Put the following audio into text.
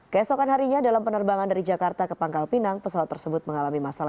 keesokan harinya dalam penerbangan dari jakarta ke pangkal pinang pesawat tersebut mengalami masalah